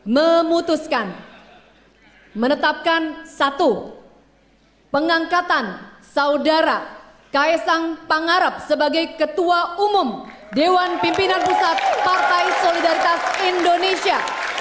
memutuskan menetapkan satu pengangkatan saudara kaisang pangarep sebagai ketua umum dewan pimpinan pusat partai solidaritas indonesia